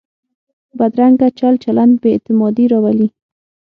بدرنګه چل چلند بې اعتمادي راولي